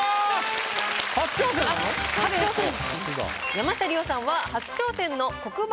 山下リオさんは初挑戦の黒板